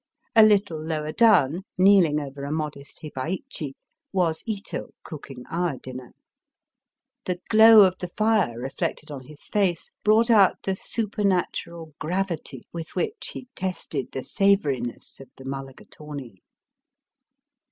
A little lower down, kneeling over a modest hibaichi, was Ito cooking our dinner. The glow of the fire reflected on his face, brought out the super natural gravity with which he tested the savoriness of the mullagatawny.